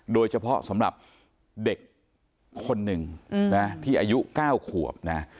โดยเฉพาะสำหรับเด็กคนหนึ่งนะที่อายุ๙ขวบนะ